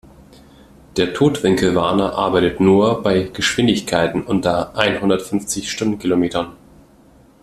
Der Totwinkelwarner arbeitet nur bei Geschwindigkeiten unter einhundertfünfzig Stundenkilometern.